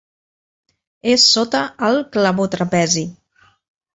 És sota el clavotrapezi.